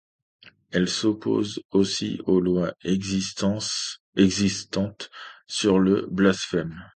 Elle s'oppose aussi aux lois existantes sur le blasphème.